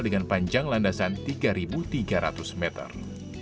dengan panjang landasan tiga tiga ratus meter